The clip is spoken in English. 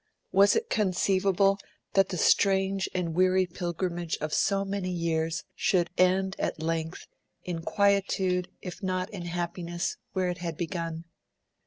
Was it conceivable that the strange and weary pilgrimage of so many years should end at length in quietude, if not in happiness, where it had begun?